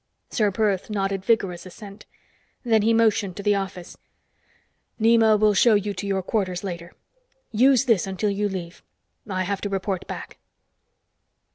Ser Perth nodded vigorous assent. Then he motioned to the office. "Nema will show you to your quarters later. Use this until you leave. I have to report back."